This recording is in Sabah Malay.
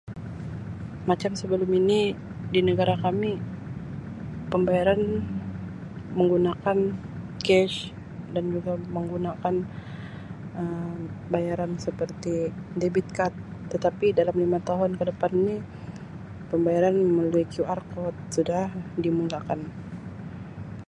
"Macam sebelum ini di negara kami pembayaran menggunakan ""cash"" dan juga menggunakan Um bayaran seperti debit kad tetapi dalam lima tahun ke depan ini pembayaran melalui QR code sudah dimulakan. "